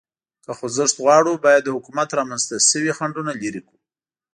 که خوځښت غواړو، باید د حکومت رامنځ ته شوي خنډونه لرې کړو.